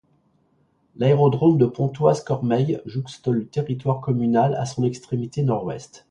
L'aérodrome de Pontoise-Cormeilles jouxte le territoire communal à son extrémité nord-ouest.